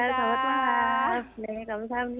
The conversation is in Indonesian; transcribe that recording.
terima kasih banyak mbak